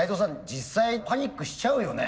実際パニックしちゃうよね。